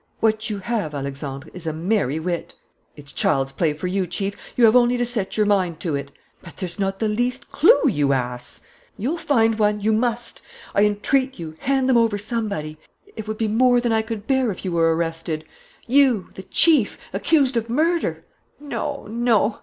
"What you have, Alexandre, is a merry wit." "It's child's play for you, Chief. You have only to set your mind to it." "But there's not the least clue, you ass!" "You'll find one ... you must ... I entreat you, hand them over somebody.... It would be more than I could bear if you were arrested. You, the chief, accused of murder! No, no....